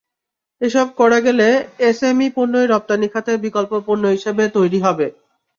এসব করা গেলে এসএমই পণ্যই রপ্তানি খাতের বিকল্প পণ্য হিসেবে তৈরি হবে।